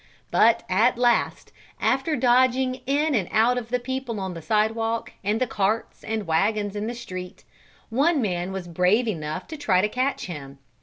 But at last, after dodging in and out of the people on the sidewalk and the carts and wagons in the street, one man was brave enough to try to catch him.